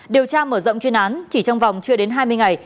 điều tra mở rộng chuyên án chỉ trong vòng chưa đến hai mươi ngày